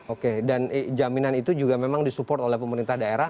oke dan jaminan itu juga memang disupport oleh pemerintah daerah